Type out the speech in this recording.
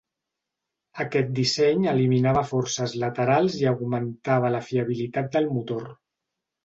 Aquest disseny eliminava forces laterals i augmentava la fiabilitat del motor.